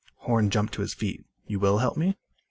Horn jumped to his feet. "You will help me?"